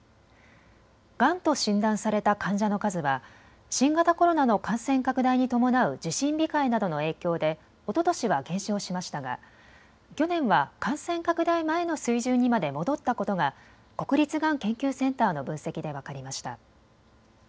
がんと診断された患者の数は新型コロナの感染拡大に伴う受診控えなどの影響でおととしは減少しましたが去年は感染拡大前の水準にまで戻ったことが国立がん研究センターの分析で分かりました。